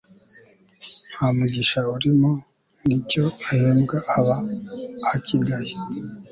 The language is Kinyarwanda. nta mugisha urimo, n'icyo ahembwa aba akigaye